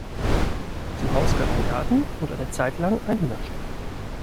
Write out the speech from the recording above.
Zum Haus gehörten ein Garten und eine Zeit lang ein Hühnerstall.